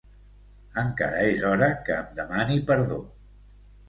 Encara és hora que em demani perdó.